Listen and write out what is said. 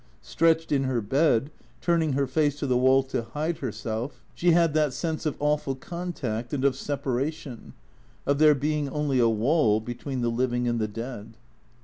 Stretched in her bed, turning her face to the wall to hide herself, she had that sense of awful contact and of separation, of there being only a wall between the living and the dead.